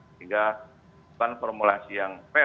sehingga bukan formulasi yang fair